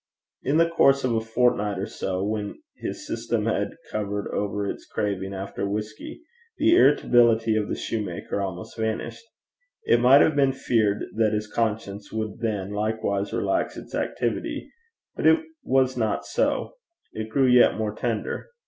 In the course of a fortnight or so, when his system had covered over its craving after whisky, the irritability of the shoemaker almost vanished. It might have been feared that his conscience would then likewise relax its activity; but it was not so: it grew yet more tender.